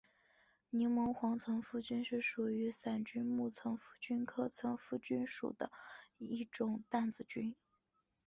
柠檬黄层腹菌是属于伞菌目层腹菌科层腹菌属的一种担子菌。